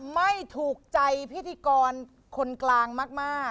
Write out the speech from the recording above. ไม่ถูกใจพิธีกรคนกลางมาก